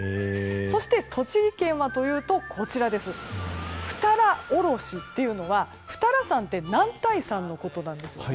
そして栃木県二荒おろしというのは二荒山って男体山のことなんですね。